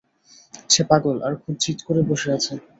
সে পাগল, আর খুব জিদ করে বসে আছে।